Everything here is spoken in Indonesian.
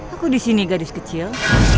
aku disini gadis kecil